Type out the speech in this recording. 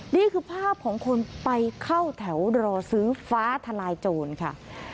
นี่คือภาพของคนไปเข้าแถวรอซื้อฟ้าทลายโจรค่ะ